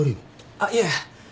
あっいえ。